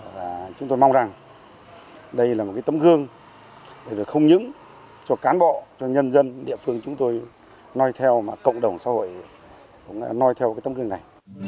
và chúng tôi mong rằng đây là một cái tấm gương để không những cho cán bộ cho nhân dân địa phương chúng tôi nói theo mà cộng đồng xã hội cũng nói theo cái tấm gương này